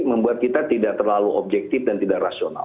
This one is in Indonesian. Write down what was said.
membuat kita tidak terlalu objektif dan tidak rasional